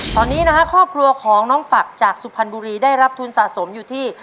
ตอนนี้นะฮะครอบครัวของน้องฝักจากสุพรรณบุรีได้รับทุนสะสมอยู่ที่